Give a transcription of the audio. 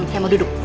saya mau duduk